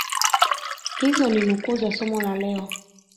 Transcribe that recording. Hizo ni nukuu za somo la leo